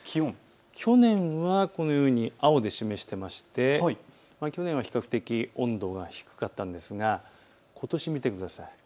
去年は、青で示していて去年は比較的、温度が低かったんですがことしを見てください。